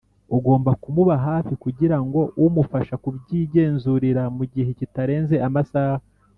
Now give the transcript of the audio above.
ugomba kumuba hafi Kugirango umufasha kubyigenzurira mugihe kitarenze amasaha